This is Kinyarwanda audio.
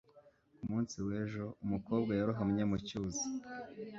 Ku munsi w'ejo, umukobwa yarohamye mu cyuzi.